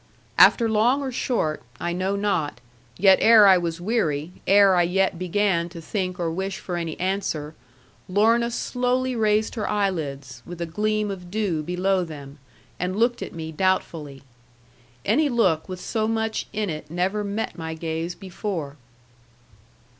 After long or short I know not, yet ere I was weary, ere I yet began to think or wish for any answer Lorna slowly raised her eyelids, with a gleam of dew below them, and looked at me doubtfully. Any look with so much in it never met my gaze before.